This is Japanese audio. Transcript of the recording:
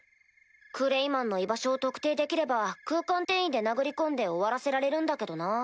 クレイマンの居場所を特定できれば空間転移で殴り込んで終わらせられるんだけどなぁ。